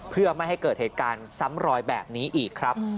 เพื่อไม่ให้เกิดเหตุการณ์ซ้ำรอยแบบนี้อีกครับ